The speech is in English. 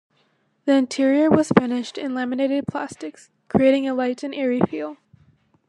The interior was finished in laminated plastics, creating a light and airy feel.